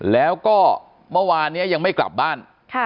แล้วก็เมื่อวานนี้ยังไม่กลับบ้าน